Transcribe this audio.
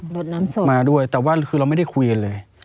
รถน้ำศพมาด้วยแต่ว่าคือเราไม่ได้คุยกันเลย